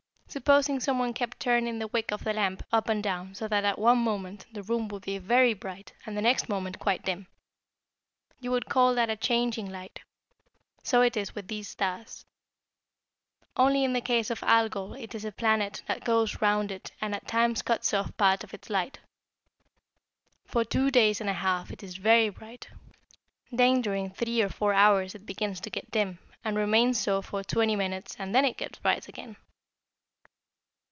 Supposing someone kept turning the wick of the lamp up and down so that at one moment the room would be very bright and the next moment quite dim. You would call that a changing light. So it is with these stars, only in the case of Algol it is a planet that goes around it and at times cuts off part of its light. For two days and a half it is very bright, then during three or four hours it begins to get dim, and remains so for twenty minutes and then it gets bright again.